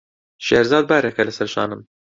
شێرزاد بارێکە لەسەر شانم.